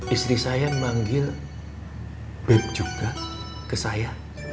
istri saya manggil bep juga ke saya